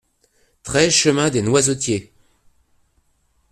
treize chemin Dès Noisetiers